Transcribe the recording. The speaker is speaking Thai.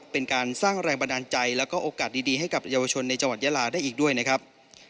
เป็นการสร้างแรงบันดาลใจแล้วก็โอกาสดีให้กับเยาวชนในจังหวัดยาลาได้อีกด้วยนะครับ